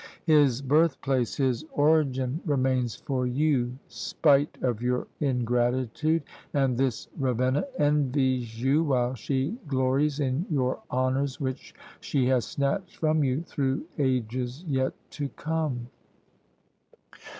His birthplace, his origin remains for you, spite of your ingratitude! and this Ravenna envies you, while she glories in your honours which she has snatched from you through ages yet to come!"